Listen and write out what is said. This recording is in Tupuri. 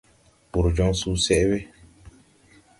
Wùr jɔŋ susɛʼ we.